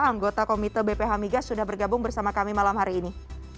anggota komite bph migas sudah bergabung bersama kami malam hari ini